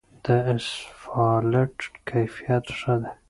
د اسفالټ کیفیت ښه دی؟